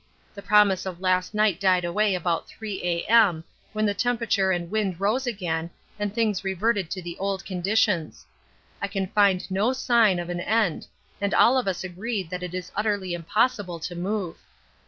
The promise of last night died away about 3 A.M., when the temperature and wind rose again, and things reverted to the old conditions. I can find no sign of an end, and all of us agree that it is utterly impossible to move.